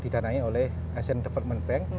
didanai oleh asian development bank